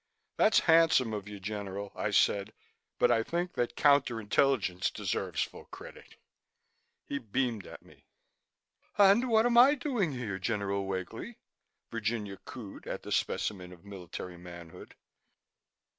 "That's handsome of you, General," I said, "but I think that Counter Intelligence deserves full credit." He beamed at me. "And what am I doing here, General Wakely?" Virginia cooed at the specimen of military manhood.